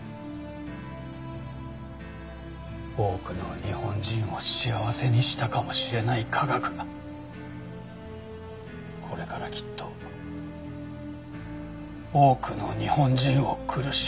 多くの日本人を幸せにしたかもしれない科学がこれからきっと多くの日本人を苦しめる。